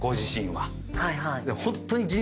はいはい。